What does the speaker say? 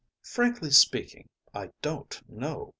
Frankly speaking, I don't know!